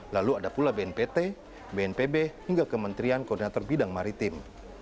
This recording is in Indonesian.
lalu ada pula bnpt bnpb hingga kementerian koordinator bidang maritim